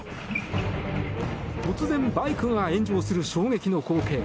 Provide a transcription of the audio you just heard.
突然、バイクが炎上する衝撃の後継。